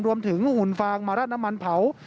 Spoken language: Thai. รวมถึงหุ่นฟางมารัดน้ำมันเผา